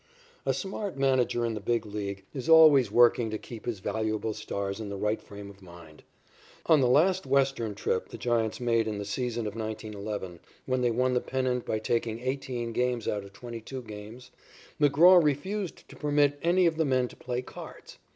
A smart manager in the Big League is always working to keep his valuable stars in the right frame of mind. On the last western trip the Giants made in the season of 1911, when they won the pennant by taking eighteen games out of twenty two games, McGraw refused to permit any of the men to play cards.